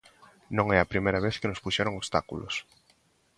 Non é a primeira vez que nos puxeron obstáculos.